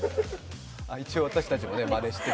一応、私たちもまねしてる。